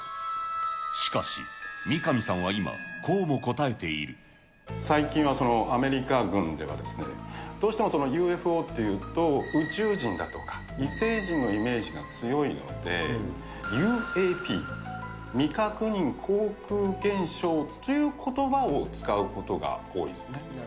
しかし、三上さんは今、最近はアメリカ軍では、どうしてもＵＦＯというと宇宙人だとか、異星人のイメージが強いので、ＵＡＰ、未確認航空現象ということばを使うことが多いんですね。